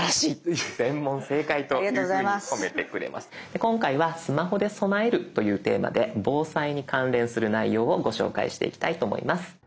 で今回はスマホで備えるというテーマで防災に関連する内容をご紹介していきたいと思います。